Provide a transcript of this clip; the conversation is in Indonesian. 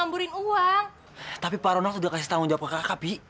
bagaimana menjawab kakak bi